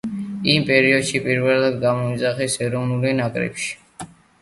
იმ პერიოდში პირველად გამოიძახეს ეროვნულ ნაკრებშიც.